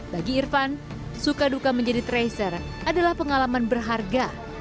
bagi irfan suka duka menjadi tracer adalah pengalaman berharga